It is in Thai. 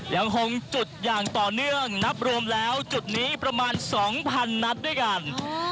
ยังคงจุดอย่างต่อเนื่องนับรวมแล้วจุดนี้ประมาณ๒๐๐นัดด้วยกัน